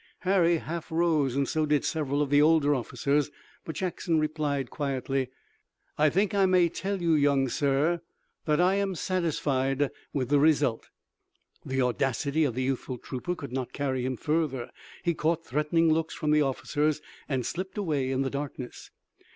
Harry half rose and so did several of the older officers, but Jackson replied quietly: "I think I may tell you, young sir, that I am satisfied with the result." The audacity of the youthful trooper could not carry him further. He caught threatening looks from the officers and slipped away in the darkness.